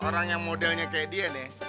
orang yang modelnya kayak dia nih